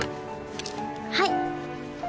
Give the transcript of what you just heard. はい。